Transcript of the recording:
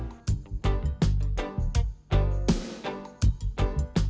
masukkan adonan tepung